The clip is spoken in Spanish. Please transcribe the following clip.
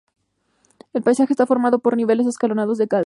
El paisaje está formado por niveles escalonados de glacis.